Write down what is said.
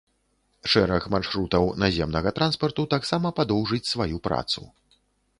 Шэраг маршрутаў наземнага транспарту таксама падоўжыць сваю працу.